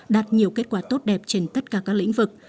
đạt nhiều kết quả tốt đẹp trên tất cả các lĩnh vực